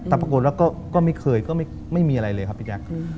แต่ปรากฏว่าก็ไม่เคยก็ไม่มีอะไรเลยครับพี่แจ๊ค